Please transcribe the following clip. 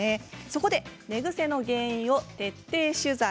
そこで寝ぐせの原因を徹底取材。